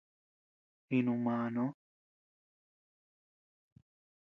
Jinu màà noo.